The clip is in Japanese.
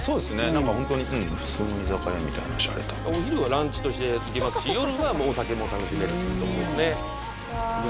何かホントにうん普通の居酒屋みたいなシャレたお昼はランチとして行けますし夜はもうお酒も楽しめるっていうとこですねうわ